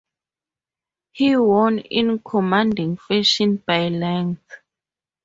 He won in commanding fashion by lengths.